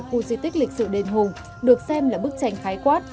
khu di tích lịch sử đền hùng được xem là bức tranh khái quát